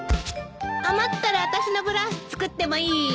余ったらあたしのブラウス作ってもいい？